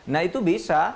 nah itu bisa